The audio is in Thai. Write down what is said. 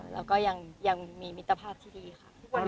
เราก็ยังมีมิจรภาพที่ดีพูดมาที่ตาบิน